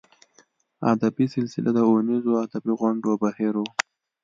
ادبي سلسله د اوونیزو ادبي غونډو بهیر و.